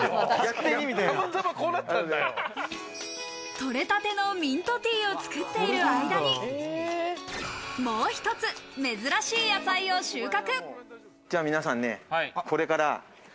取れたてのミントティーを作っている間に、もう一つ珍しい野菜を収穫。